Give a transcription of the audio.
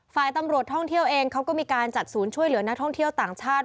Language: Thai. ฝ่ายตำรวจท่องเที่ยวเองเขาก็มีการจัดศูนย์ช่วยเหลือนักท่องเที่ยวต่างชาติ